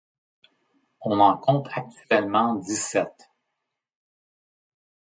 On en compte actuellement dix-sept.